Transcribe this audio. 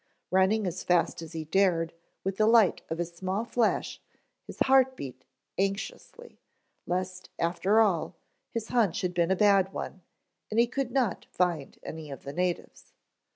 Running as fast as he dared with the light of his small flash his heart beat anxiously, lest after all, his hunch had been a bad one and he could not find any of the natives.